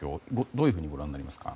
どういうふうにご覧になりますか？